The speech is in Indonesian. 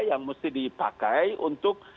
yang mesti dipakai untuk